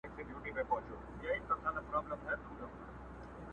و دښمن ته معلوم شوی زموږ زور وو!